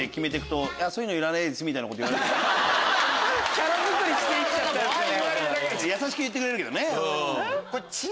キャラづくりしていっちゃったんすね。